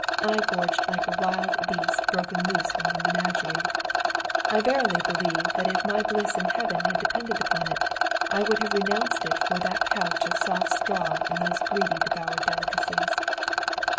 I gorged like a wild beast broken loose from a menagerie. I verily believe that if my bliss in Heaven had depended upon it, I would have renounced it for that couch of soft straw and those greedily devoured delicacies.